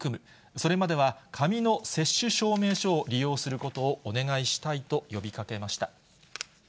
それまでは紙の接種証明書を利用することをお願いしたいと呼びかけました。